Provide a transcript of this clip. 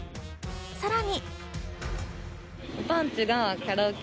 さらに。